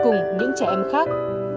cùng những trẻ em khác